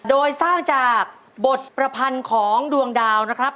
โดยสร้างจากบทประพันธ์ของดวงดาวนะครับ